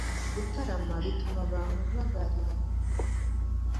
Gutarama bituma abantu bagarira